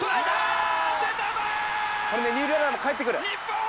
「これで二塁ランナーもかえってくる！」